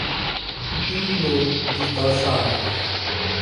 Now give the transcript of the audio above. Hino cöyitalhaa.